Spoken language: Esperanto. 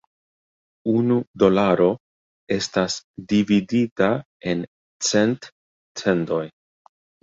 Unu dolaro estas dividita en cent "cendoj".